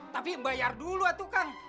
tapi bayar dulu atukang